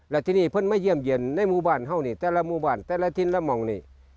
และที่นี่เพิ่มมาเยี่ยมเย็นในมุมบ้านเท่านี้แต่ละมุมบ้านแต่ละที่นี่และมองนี้